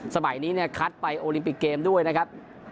สมัยนี้ครัดปลายโอลิมปิกเกมด้วยนะครับ